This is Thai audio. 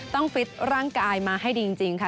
ฟิตร่างกายมาให้ดีจริงค่ะ